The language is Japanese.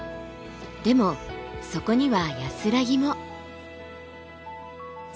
でもそこには安らぎも。